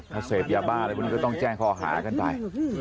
ถ้าเซฟยาบ้าอะไรก็ต้องแจ้งคอหากันไป